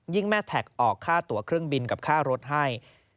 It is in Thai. แม่แท็กออกค่าตัวเครื่องบินกับค่ารถให้